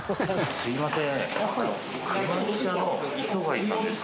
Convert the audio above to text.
すいません。